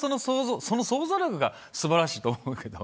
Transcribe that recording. その想像力が素晴らしいと思うけど。